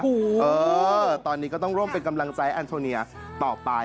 โอ้โหตอนนี้ก็ต้องร่วมเป็นกำลังใจแอนโทเนียต่อไป